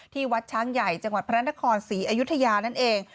วัดช้างใหญ่จังหวัดพระนครศรีอยุธยานั่นเอง